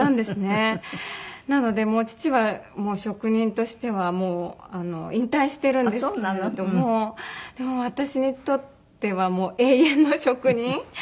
なので父は職人としてはもう引退してるんですけれどもでも私にとってはもう永遠の職人。